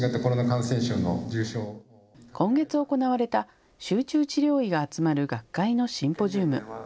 今月行われた集中治療医が集まる学会のシンポジウム。